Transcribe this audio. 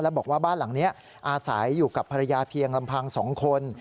บอกว่าบ้านหลังนี้อาศัยอยู่กับภรรยาเพียงลำพัง๒คน